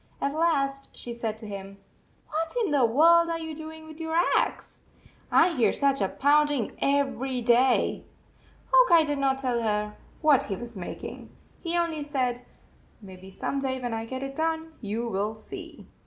At last she said to him: " What in the world are you doing with your axe ? I hear such a pounding everyday." Hawk Eye did not tell her what he was making. He only said, " Maybe some day, when I get it done, you will see."